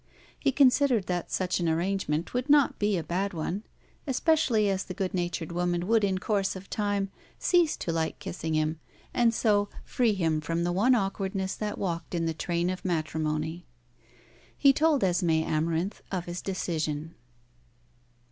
He considered that such an arrangement would not be a bad one, especially as the good natured woman would in course of time cease to like kissing him, and so free him from the one awkwardness that walked in the train of matrimony. He told Esmé Amarinth of his decision.